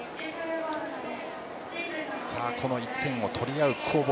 この１点を取り合う攻防